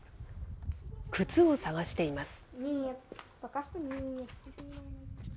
靴を探しています。